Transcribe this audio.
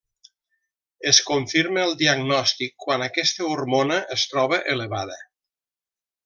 Es confirma el diagnòstic quan aquesta hormona es troba elevada.